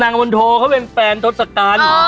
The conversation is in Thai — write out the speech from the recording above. นางมนโธก็เป็นแฟนทศกัณฐ์